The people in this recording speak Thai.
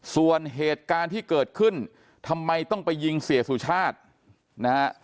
ส่วนเหตุการณ์ที่เกิดขึ้นทำไมต้องไปยิงเสียสุชาตินะฮะ